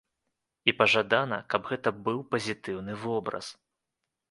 І пажадана, каб гэта быў пазітыўны вобраз.